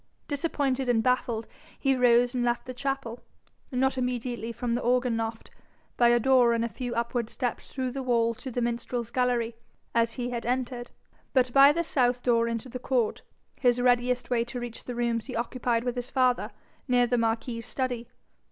Disappointed and baffled, he rose and left the chapel, not immediately from the organ loft, by a door and a few upward steps through the wall to the minstrels' gallery, as he had entered, but by the south door into the court, his readiest way to reach the rooms he occupied with his father, near the marquis's study.